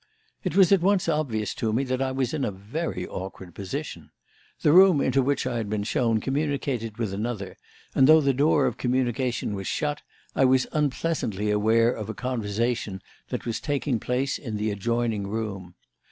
It was at once obvious to me that I was in a very awkward position. The room into which I had been shown communicated with another, and though the door of communication was shut, I was unpleasantly aware of a conversation that was taking place in the adjoining room.